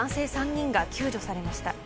３人が救助されました。